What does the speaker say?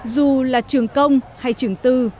dù là trường công hay trường tư